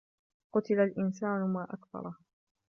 قتل الإنسان ما أكفره